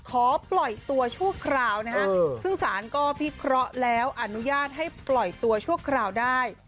ขอปล่อยตัวชั่วคราวนะฮะซึ่งสารก็พิเคราะห์แล้วอนุญาตให้ปล่อยตัวชั่วคราวได้